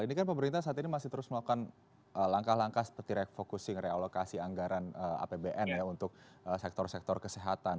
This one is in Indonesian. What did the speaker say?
ini kan pemerintah saat ini masih terus melakukan langkah langkah seperti refocusing realokasi anggaran apbn ya untuk sektor sektor kesehatan